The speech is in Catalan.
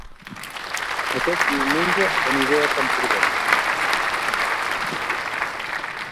Aquest diumenge aniré a Camprodon